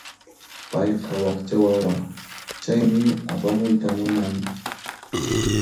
Payqa wakcha wawa, chaymi apamuyta munani.